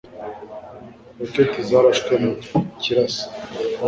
Roketi zarashwe mu kirasa.